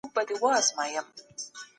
رښتین